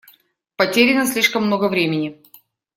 Потеряно слишком много времени.